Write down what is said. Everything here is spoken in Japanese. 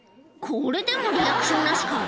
これでもリアクションなしか」